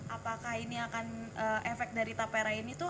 apakah ini akan efek dari tapera ini tuh